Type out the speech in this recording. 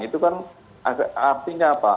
itu kan artinya apa